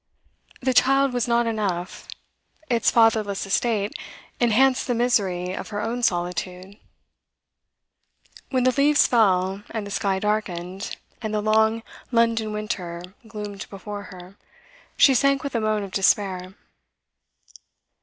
The child was not enough; its fatherless estate enhanced the misery of her own solitude. When the leaves fell, and the sky darkened, and the long London winter gloomed before her, she sank with a moan of despair.